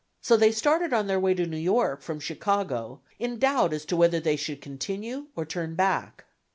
So they started on their way to New York from Chicago in doubt as to whether they should continue or turn back.